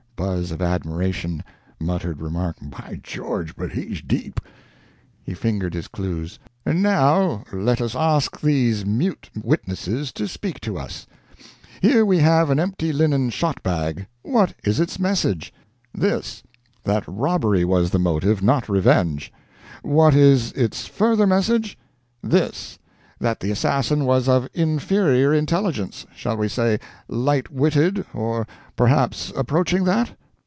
(Buzz of admiration; muttered remark, "By George, but he's deep!") He fingered his clues. "And now let us ask these mute witnesses to speak to us. "Here we have an empty linen shot bag. What is its message? This: that robbery was the motive, not revenge. What is its further message? This: that the assassin was of inferior intelligence shall we say light witted, or perhaps approaching that?